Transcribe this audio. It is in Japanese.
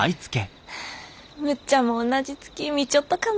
むっちゃんもおんなじ月見ちょっとかな。